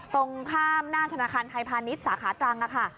ตรงข้ามหน้าธนาคารไทยพาณิชย์สาขาตรังค่ะ